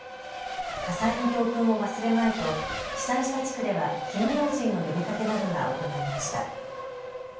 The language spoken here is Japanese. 火災の教訓を忘れまいと被災した地区では火の用心の呼びかけなどが行われました。